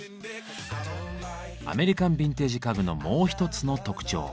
アメリカンビンテージ家具のもう一つの特徴。